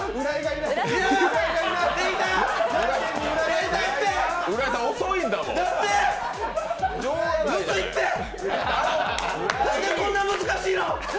なんでこんな難しいの！